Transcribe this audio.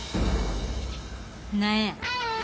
何や？